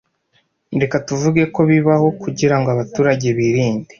Reka tuvuge ko bibaho kugirango abaturage birinde.